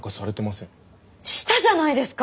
したじゃないですか！